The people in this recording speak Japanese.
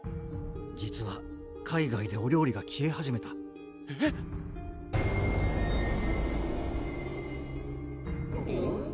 実は海外でお料理が消え始めたえっ⁉うん？